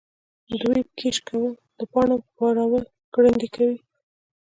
د ویب کیش کول د پاڼو بارول ګړندي کوي.